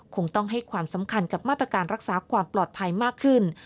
คงต้องให้ความสำคัญกับมาตรการรักษาความปลอดภัยมากขึ้น